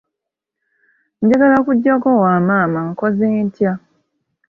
Njagala kujjako wa maama nkoze ntya?